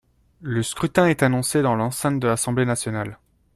Le scrutin est annoncé dans l’enceinte de l’Assemblée nationale.